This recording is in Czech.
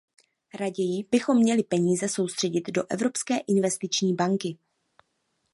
Raději bychom měli peníze soustředit do Evropské investiční banky.